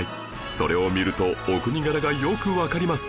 それを見るとお国柄がよくわかります